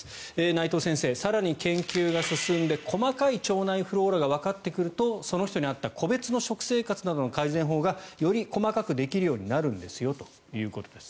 内藤先生、更に研究が進んで細かい腸内フローラがわかってくるとその人に合った個別の食生活などの改善法がより細かくできるようになるんですよということです。